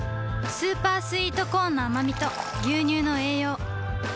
スーパースイートコーンのあまみと牛乳の栄養